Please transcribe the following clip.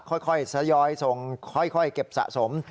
ค่อยทยอยส่งค่อยเก็บสะสม